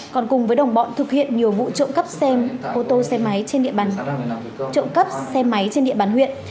còn cùng với đồng bọn thực hiện nhiều vụ trộm cắp xe máy trên địa bàn huyện